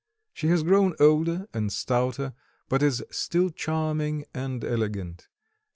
She has grown older and stouter, but is still charming and elegant.